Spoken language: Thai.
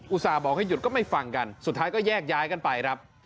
ส่าห์บอกให้หยุดก็ไม่ฟังกันสุดท้ายก็แยกย้ายกันไปครับ